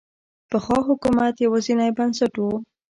پخوا حکومت یوازینی بنسټ و.